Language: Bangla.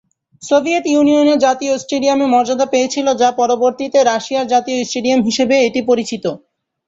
সোভিয়েত ইউনিয়নের জাতীয় স্টেডিয়ামের মর্যাদা পেয়েছিল যা পরবর্তীতে রাশিয়ার জাতীয় স্টেডিয়াম হিসেবে এটি পরিচিত।